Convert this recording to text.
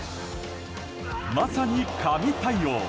まさに神対応。